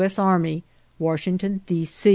S. Army, Washington, D.